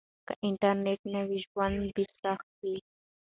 که انټرنيټ نه وای ژوند به سخت و.